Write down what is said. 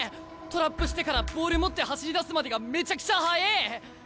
トラップしてからボール持って走りだすまでがめちゃくちゃはええ！